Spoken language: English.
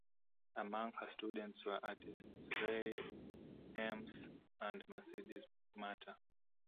Among her students were artists Ray Eames and Mercedes Matter.